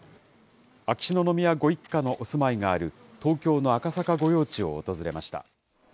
秋篠宮ご一家のお住まいがある東京の赤坂御用地を訪れました。